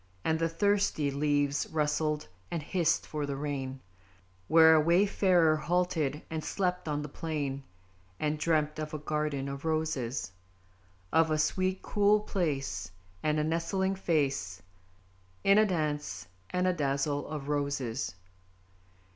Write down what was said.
And the thirsty leaves rustled, and hissed for the rain, Where a wayfarer halted and slept on the plain; And dreamt of a garden of Roses! Of a cool sweet place, And a nestling face In a dance and a dazzle of Roses.